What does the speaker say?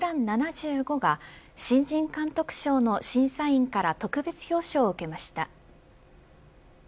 ７５が新人監督賞の審査員から特別表彰を受けました。